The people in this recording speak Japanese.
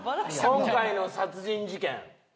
今回の殺人事件